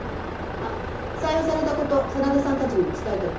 あっ採用された事真田さんたちにも伝えといて。